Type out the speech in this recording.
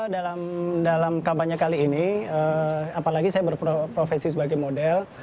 dalam kampanye kali ini apalagi saya berprofesi sebagai model